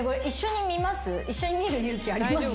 一緒に見る勇気あります？